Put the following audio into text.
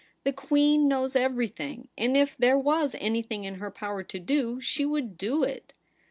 The Queen knows everything; and if there was anything in her power to do, she would do it.'